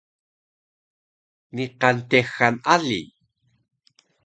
Niqan texal ali